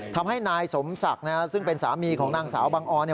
ทำให้นายสมศักดิ์ซึ่งเป็นสามีของนางสาวบังออน